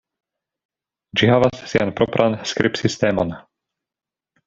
Ĝi havas sian propran skribsistemon.